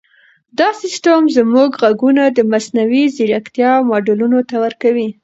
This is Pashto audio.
دا سیسټم زموږ ږغونه د مصنوعي ځیرکتیا ماډلونو ته ورکوي.